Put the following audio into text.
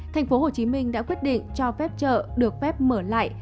thành phố hồ chí minh đã quyết định cho phép chợ được phép mở lại